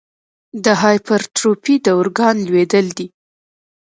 د هایپرټروفي د ارګان لویېدل دي.